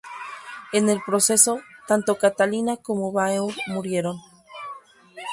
En el proceso, tanto Catalina como Bauer murieron.